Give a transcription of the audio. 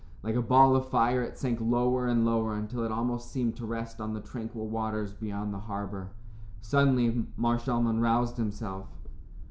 Like a ball of fire it sank lower and lower until it almost seemed to rest on the tranquil waters beyond the harbor. Suddenly, Mar Shalmon roused himself.